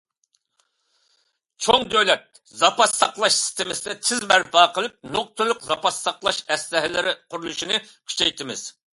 چوڭ دۆلەت زاپاس ساقلاش سىستېمىسىنى تېز بەرپا قىلىپ، نۇقتىلىق زاپاس ساقلاش ئەسلىھەلىرى قۇرۇلۇشىنى كۈچەيتىمىز.